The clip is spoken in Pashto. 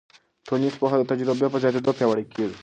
ټولنیز پوهه د تجربو په زیاتېدو پیاوړې کېږي.